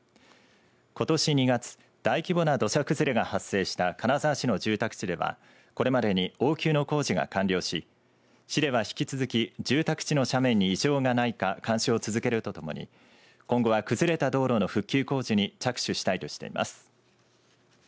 ことし２月大規模な土砂崩れが発生した金沢市の住宅地では、これまでに応急の工事が完了し市では引き続き住宅地の斜面に異常がないか監視を続けるとともに今後は崩れた道路の復旧工事に着手したいとしています。